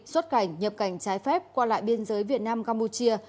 xuất cảnh nhập cảnh trái phép qua lại biên giới việt nam campuchia